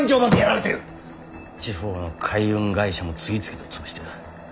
地方の海運会社も次々と潰してる。